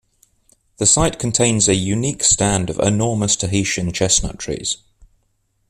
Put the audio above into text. The site contains a unique stand of enormous Tahitian chestnut trees.